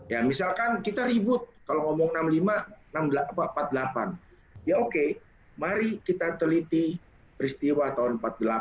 ya misalkan kita ribut kalau ngomong enam puluh lima empat puluh delapan ya oke mari kita teliti peristiwa tahun empat puluh delapan